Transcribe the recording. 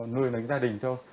nuôi một cái gia đình thôi